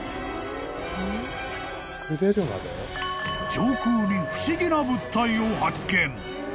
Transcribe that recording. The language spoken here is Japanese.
［上空に不思議な物体を発見］